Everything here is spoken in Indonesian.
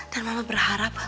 dan mama berharap